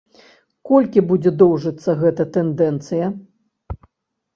Колькі будзе доўжыцца гэта тэндэнцыя?